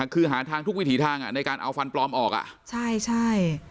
คือหาทางทุกวิถีทางในการเอาฟันปลอมออกอ่ะใช่ใช่